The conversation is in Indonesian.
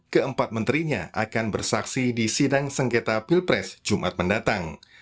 keempat menterinya akan bersaksi di sidang sengketa pilpres jumat mendatang